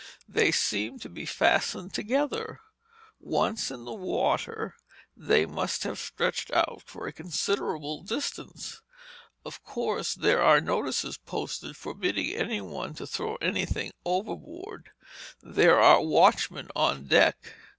They seemed to be fastened together. Once in the water, they must have stretched out over a considerable distance. Of course, there are notices posted forbidding anyone to throw anything overboard: and there are watchmen on deck.